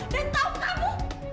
dan tahu kamu